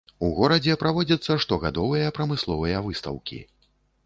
У горадзе праводзяцца штогадовыя прамысловыя выстаўкі.